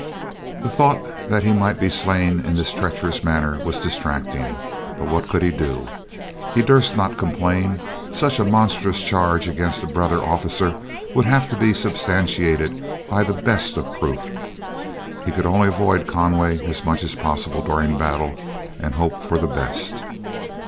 The thought that he might be slain in this treacherous manner was distracting, but what could he do? He durst not complain; such a monstrous charge against a brother officer would have to be substantiated by the best of proof. He could only avoid Conway as much as possible during battle, and hope for the best.